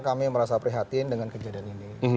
pertama tama kami merasa prihatin dengan kejadian ini